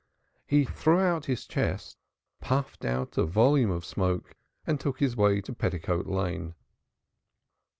He threw out his chest, puffed out a volume of smoke, and took his way to Petticoat Lane.